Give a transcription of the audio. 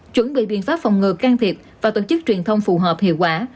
thay biện pháp phòng ngừa can thiệp và tổ chức truyền thông phù hợp hiệu quả